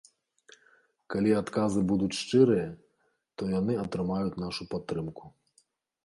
Калі адказы будуць шчырыя, то яны атрымаюць нашую падтрымку.